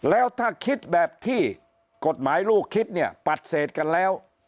แล้วถ้าคิดแบบที่กฎหมายลูกคิดเนี่ยปัดเศษกันแล้ว